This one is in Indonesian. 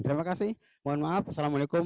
terima kasih mohon maaf assalamualaikum